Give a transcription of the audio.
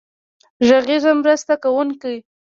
غږیز مرسته کوونکی.